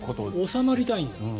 収まりたいんだ。